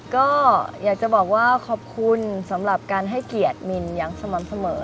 ก็อยากจะบอกว่าขอบคุณสำหรับการให้เกียรติมินอย่างสม่ำเสมอ